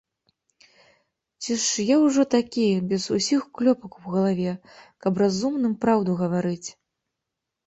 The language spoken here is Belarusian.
Ці ж я ўжо такі, без усіх клёпак у галаве, каб разумным праўду гаварыць?